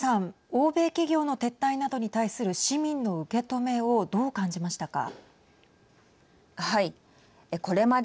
欧米企業の撤退などに対する市民の受け止めをどう感じましたか。